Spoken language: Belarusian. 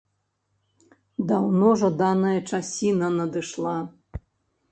Даўно жаданая часіна надышла.